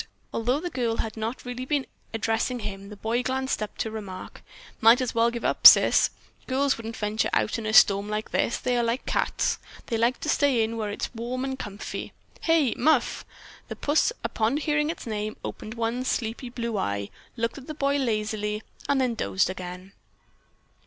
Although the girl had not really been addressing him, the boy glanced up to remark: "Might as well give up, Sis. Girls wouldn't venture out in a storm like this; they are like cats. They like to stay in where it's warm and comfy. Hey, Muff?" The puss, upon hearing its name, opened one sleepy blue eye, looked at the boy lazily and then dozed again.